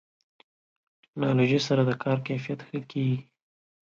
ټکنالوژي سره د کار کیفیت ښه کېږي.